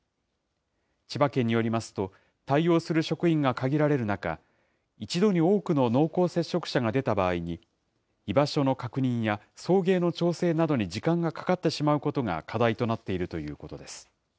千葉県によりますと、対応する職員が限られる中、一度に多くの濃厚接触者が出た場合に、居場所の確認や送迎の調整などに時間がかかってしまうことなどが課題となっているということです。